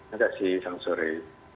terima kasih selamat sore